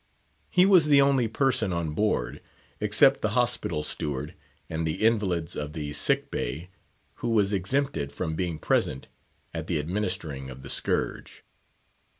He was the only person on board, except the hospital steward and the invalids of the sick bay, who was exempted from being present at the administering of the scourge.